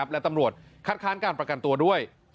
และตำรวจคัดค้านการประกันตัวด้วย